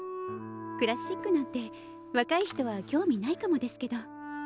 クラシックなんて若い人は興味ないかもですけど。